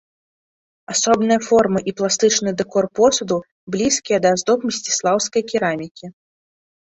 Асобныя формы і пластычны дэкор посуду блізкія да аздоб мсціслаўскай керамікі.